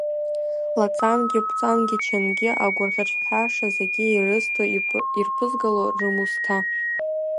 Лаҵангьы, бҵангьы, чангьы агәырӷьаҿҳәаша зегьы ирызҭо, ирԥызгало рымусҭа.